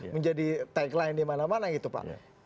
menjadi tagline di mana mana gitu pak